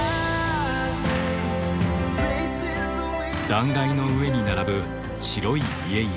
断崖の上に並ぶ白い家々。